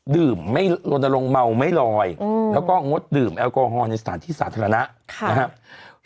ดื่มไม่ลนลงเมาไม่ลอยแล้วก็งดดื่มแอลกอฮอลในสถานที่สาธารณะนะครับ